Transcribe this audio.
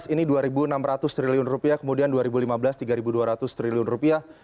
ini dua enam ratus triliun rupiah kemudian dua ribu lima belas tiga dua ratus triliun rupiah